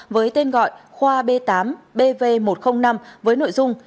với tên gọi khoa b tám bv một trăm linh năm với nội dung